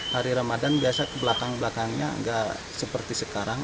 hari ramadhan kebelakang belakangnya tidak seperti sekarang